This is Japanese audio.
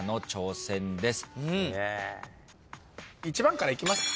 １番からいきますか。